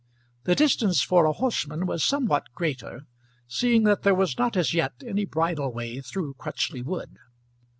The distance for a horseman was somewhat greater, seeing that there was not as yet any bridle way through Crutchley Wood.